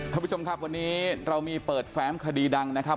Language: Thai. ท่านผู้ชมครับวันนี้เรามีเปิดแฟ้มคดีดังนะครับ